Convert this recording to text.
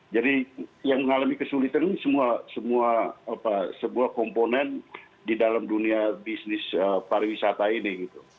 jadi yang mengalami kesulitan ini semua sebuah komponen di dalam dunia bisnis pariwisata ini